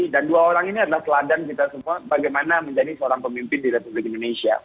dan dua orang ini adalah seladan kita semua bagaimana menjadi seorang pemimpin di republik indonesia